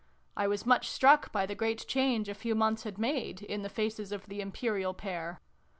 I was much struck by the great change a few months had made in the faces of the Impe rial Pair.